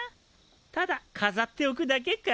ただかざっておくだけか？